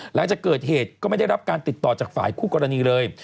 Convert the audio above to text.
หลังจากเกิดเหตุก็ไม่ได้รับการติดต่อจากฝ่ายคู่กรณีเลย